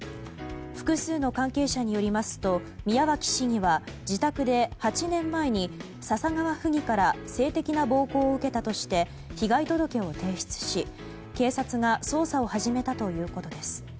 複数の関係者によりますと宮脇市議は自宅で８年前に笹川府議から性的な暴行を受けたとして被害届を提出し警察が捜査を始めたということです。